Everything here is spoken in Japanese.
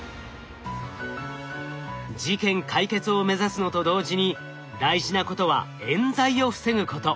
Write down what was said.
事件解決を目指すのと同時に大事なことはえん罪を防ぐこと。